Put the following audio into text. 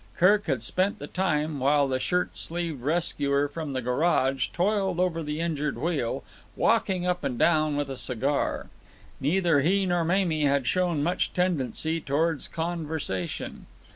Kirk had spent the time, while the shirt sleeved rescuer from the garage toiled over the injured wheel, walking up and down with a cigar. Neither he nor Mamie had shown much tendency towards conversation.